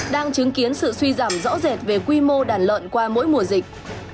đang chứng kiến sự suy giảm rõ rệt về quy mô đàn lợn qua mỗi mùa dịch